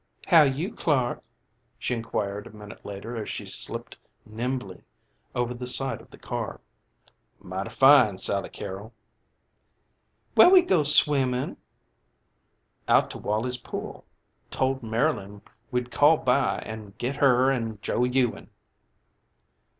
"How you, Clark?" she inquired a minute later as she slipped nimbly over the side of the car. "Mighty fine, Sally Carrol." "Where we go swimmin'?" "Out to Walley's Pool. Told Marylyn we'd call by an' get her an' Joe Ewing."